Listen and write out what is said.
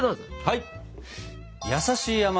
はい！